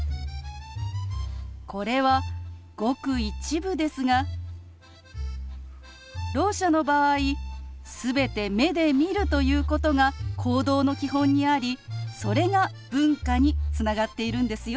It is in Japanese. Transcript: これはごく一部ですがろう者の場合全て目で見るということが行動の基本にありそれが文化につながっているんですよ。